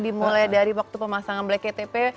dimulai dari waktu pemasangan black ktp